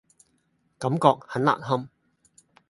感覺很難堪